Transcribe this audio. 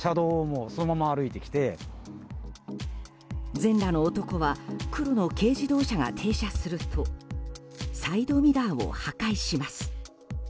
全裸の男は黒の軽自動車が停車するとサイドミラーを破壊します。